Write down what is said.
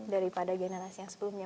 daripada generasi yang sebelumnya